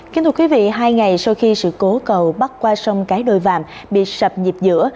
kính thưa quý vị hai ngày sau khi sự cố cầu bắt qua sông cái đôi vàm bị sập nhịp dữa